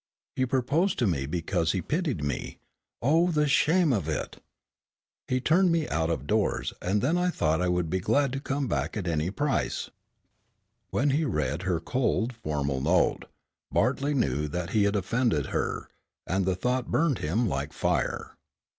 "He proposed to me because he pitied me, oh, the shame of it! He turned me out of doors, and then thought I would be glad to come back at any price." When he read her cold formal note, Bartley knew that he had offended her, and the thought burned him like fire.